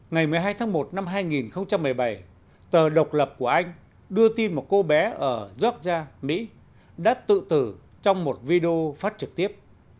ngày một mươi hai tháng một năm hai nghìn một mươi bảy tờ độc lập của anh đưa tin một cô bé ở georgia mỹ đã tự tử trong một video phát trực tiếp